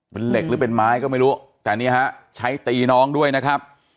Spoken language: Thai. เป็นเหล็กหรือเป็นไม้ก็ไม่รู้แต่นี่ฮะใช้ตีน้องด้วยนะครับ